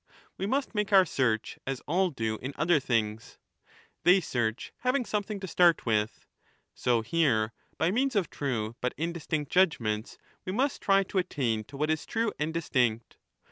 We must make our search as all do in other things — they search having something to start with ; so here, by means of true but indistinct judgements, we must ^ try to attain to what is true and distinct.